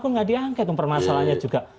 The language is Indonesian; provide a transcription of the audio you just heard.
agung nggak diangkat mempermasalahannya juga